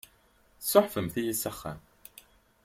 Tsuɛfemt-iyi s axxam.